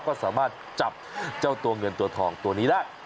ก็สามารถจับเจ้าตัวเงินตัวทองตัวนี้ได้